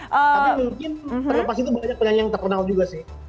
tapi mungkin terlepas itu banyak penyanyi yang terkenal juga sih